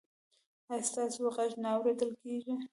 ایا ستاسو غږ نه اوریدل کیږي؟